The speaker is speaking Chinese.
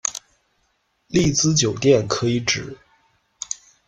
丽兹酒店可以指：